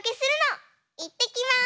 いってきます！